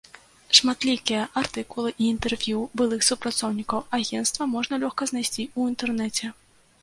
Шматлікія артыкулы і інтэрв'ю былых супрацоўнікаў агенцтва можна лёгка знайсці ў інтэрнэце.